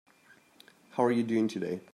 How are you doing today?